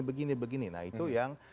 begini begini nah itu yang